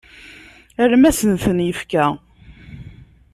Alma asen-ten-yekfa.